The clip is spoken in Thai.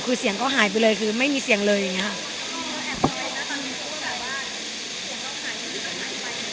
คือเสียงเขาหายไปเลยคือไม่มีเสียงเลยอย่างนี้ค่ะ